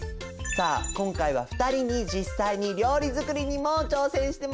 さあ今回は２人に実際に料理作りにも挑戦してもらいますよ。